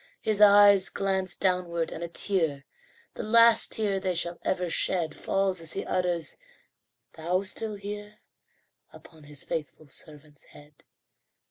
His eyes glance downward, and a tear The last tear they shall ever shed Falls as he utters, "Thou still here!" Upon his faithful servant's head.